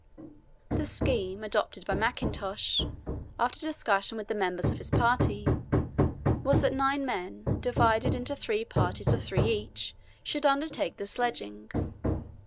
The scheme adopted by Mackintosh, after discussion with the members of his party, was that nine men, divided into three parties of three each, should undertake the sledging.